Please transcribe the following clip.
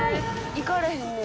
行かれへんねや」